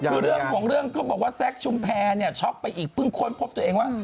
คือเรื่องของเรื่องเขาบอกว่าแซคชุมแพรเนี่ยช็อกไปอีกเพิ่งค้นพบตัวเองว่า